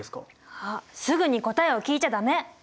あっすぐに答えを聞いちゃ駄目！